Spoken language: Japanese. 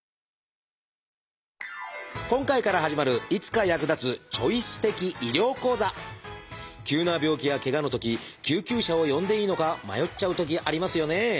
今回から始まる急な病気やけがのとき救急車を呼んでいいのか迷っちゃうときありますよね。